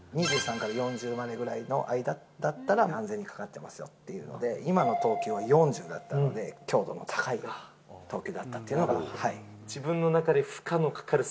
２３から４０までぐらいの間だったら、安全にかかってますよっていうので、今の投球は４０だったので、強度の高い投球だったというのが分かる。